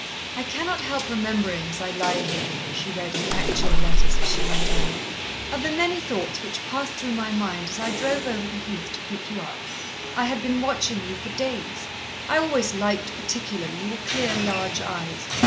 "I cannot help remembering as I lie here," she read in actual letters as she went on, "of the many thoughts which passed through my mind as I drove over the heath to pick you up. I had been watching you for days. I always liked particularly your clear, large eyes.